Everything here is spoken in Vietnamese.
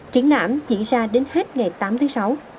triển lãm diễn ra đến hết ngày tám tháng sáu